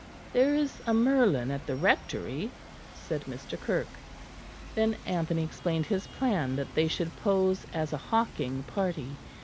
"There is a merlin at the Rectory," said Mr. Kirke. Then Anthony explained his plan, that they should pose as a hawking party.